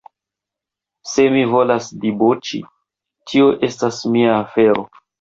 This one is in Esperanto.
Se mi volas diboĉi, tio estas mia afero.